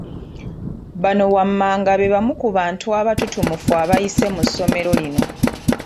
Bano wammanga be bamu ku bantu abatutumufu abayise mu ssomero lino